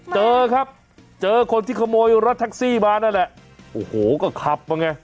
เจอครับเจอคนที่ขโมยรถแท็กซี่มานั่นแหละโอ้โหก็ขับมาไง